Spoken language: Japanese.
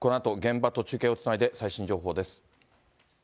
このあと現場と中継をつないで、最新情報です。